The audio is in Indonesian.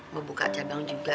mau buka cabang juga